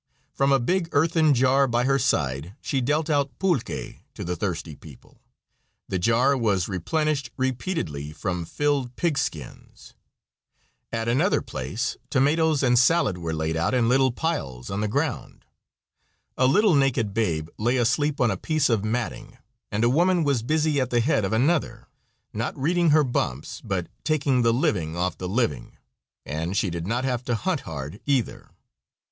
From a big earthen jar by her side she dealt out pulque to the thirsty people; the jar was replenished repeatedly from filled pig skins. At another place tomatoes and salad were laid out in little piles on the ground. A little naked babe lay asleep on a piece of matting, and a woman was busy at the head of another not reading her bumps, but taking the living off the living and she did not have to hunt hard either.